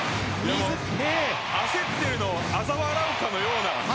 焦っているのをあざ笑うかのような